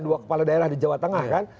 dua kepala daerah di jawa tengah kan